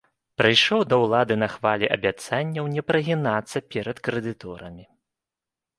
Прыйшоў да ўлады на хвалі абяцанняў не прагінацца перад крэдыторамі.